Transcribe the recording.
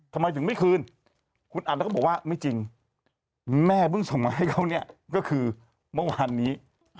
ทำไมถึงไม่คืนคุณอันแล้วก็บอกว่าไม่จริงแม่เพิ่งส่งมาให้เขาเนี่ยก็คือเมื่อวานนี้